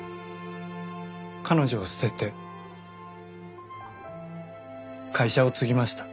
彼女を捨てて会社を継ぎました。